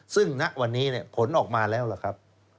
ซึ่งณวันนี้เนี่ยผลออกมาแล้วแหละครับ